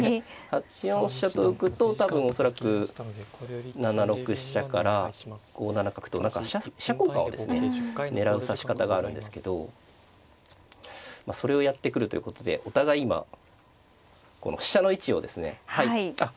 ８四飛車と浮くと多分恐らく７六飛車から５七角と何か飛車交換をですね狙う指し方があるんですけどそれをやってくるということでお互い今飛車の位置をですねあっ